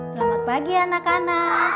selamat pagi anak anak